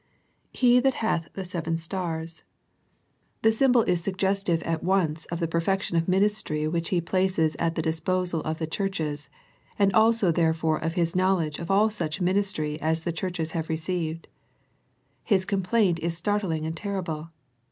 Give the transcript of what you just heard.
" He that hath ... the seven stars." This symbol is sug 135 136 A First Century Message gestive at once of the perfection of ministry which He places at the disposal of the churches, and also therefore of His knowledge of all such ministry as the churches have received. His complaint is startling and terrible.